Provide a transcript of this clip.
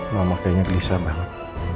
mama kayaknya gelisah banget